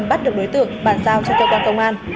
bắt được đối tượng bàn giao cho cơ quan công an